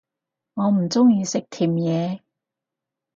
我唔鍾意食甜野